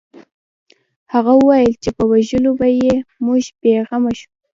هغه وویل چې په وژلو به یې موږ بې غمه شو